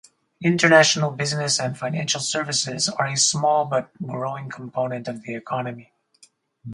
International business and financial services are a small but growing component of the economy.